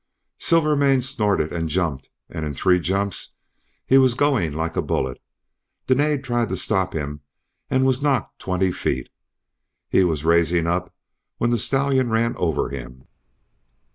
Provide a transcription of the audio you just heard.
Silvermane snorted and jumped, and in three jumps he was going like a bullet. Dene tried to stop him, and was knocked twenty feet. He was raising up when the stallion ran over him.